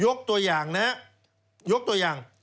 ตัวอย่างนะฮะยกตัวอย่าง